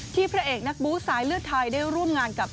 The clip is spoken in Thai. พระเอกนักบู๊สายเลือดไทยได้ร่วมงานกับ